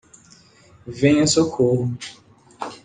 Venha Socorro.